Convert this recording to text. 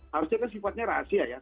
harusnya kan sifatnya rahasia ya